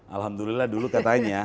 alhamdulillah dulu katanya